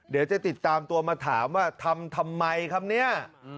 เดี๋ยวจะติดตามตัวมาถามว่าทำทำไมครับเนี่ย